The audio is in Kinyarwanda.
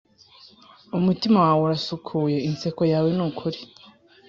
umutima wawe urasukuye, inseko yawe nukuri.